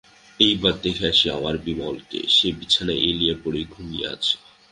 এইবার দেখে আসি আমার বিমলকে, সে বিছানায় এলিয়ে পড়ে ঘুমিয়ে অছে।